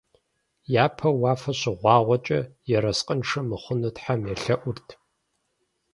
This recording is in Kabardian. Япэу уафэ щыгъуагъуэкӀэ, ерыскъыншэ мыхъуну тхьэм елъэӀурт.